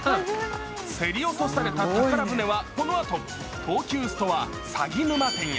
競り落とされた宝船はこのあと東急ストア鷺沼店へ。